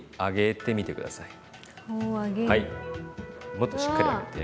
もっとしっかり上げて。